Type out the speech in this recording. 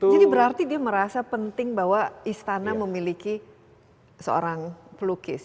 jadi berarti dia merasa penting bahwa istana memiliki seorang pelukis